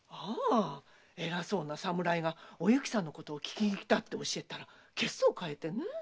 偉そうな侍がおゆきさんのこと訊きに来たって教えたら血相を変えて。